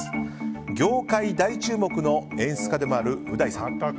業界大注目の演出家でもあるう大さん。